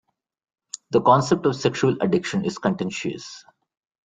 The concept of sexual addiction is contentious.